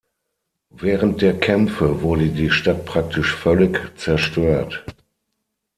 Während der Kämpfe wurde die Stadt praktisch völlig zerstört.